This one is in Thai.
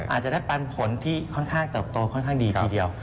อาจจะได้ปันผลที่ค่อนข้างเติบโตค่อนข้างดีทีเดียว